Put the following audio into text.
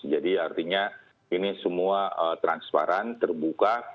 jadi artinya ini semua transparan terbuka